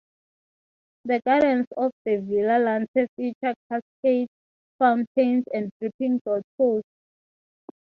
The gardens of the Villa Lante feature cascades, fountains and dripping grottoes.